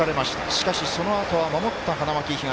しかし、そのあとは守った花巻東。